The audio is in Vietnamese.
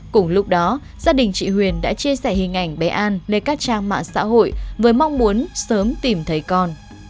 cùng lúc đó gia đình chị huyền đã chia sẻ hình ảnh bé an lên các trang mạng xã hội với mong muốn sớm tìm thấy con